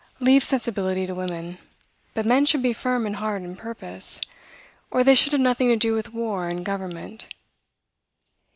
Leave sensibility to women; but men should be firm in heart and purpose, or they should have nothing to do with war and government."